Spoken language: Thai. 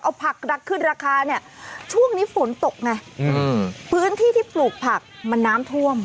เอาผักรักขึ้นราคาเนี่ยช่วงนี้ฝนตกไงพื้นที่ที่ปลูกผักมันน้ำท่วม